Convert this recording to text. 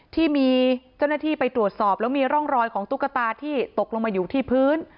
ที่มีเจ้าหน้าที่ไปตรวจสอบแล้วมีร่องรอยของตุ๊กตาที่ตกลงมาอยู่ที่พื้น